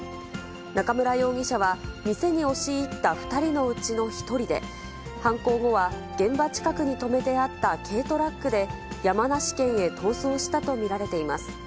中村容疑者は、店に押し入った２人のうちの１人で、犯行後は現場近くに止めてあった軽トラックで山梨県へ逃走したと見られています。